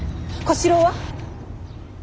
小四郎は。